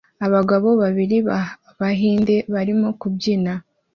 Abagabo babiri b'Abahinde barimo kubyina